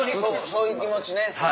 そういう気持ちね。